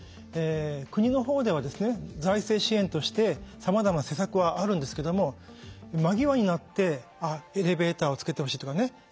国の方では財政支援としてさまざま施策はあるんですけども間際になってエレベーターをつけてほしいとかね